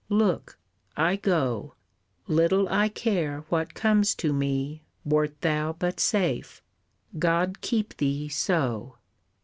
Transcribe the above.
Look! I go, Little I care what comes to me Wert thou but safe, God keep thee so!